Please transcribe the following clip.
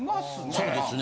そうですね。